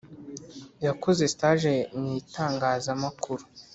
yakoze stage mu itangazamakuru.